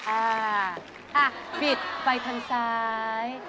อ่าบิดไปทางซ้าย